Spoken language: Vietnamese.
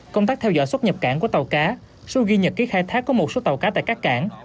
công tác theo dõi xuất nhập cảng của tàu cá số ghi nhật ký khai thác có một số tàu cá tại các cảng